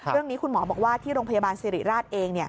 เรื่องนี้คุณหมอบอกว่าที่โรงพยาบาลสิริราชเอง